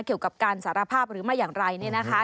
เกี่ยวกับการสารภาพหรือไม่อย่างไรเนี่ยนะคะ